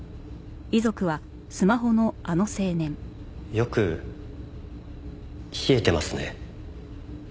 よく冷えてますね。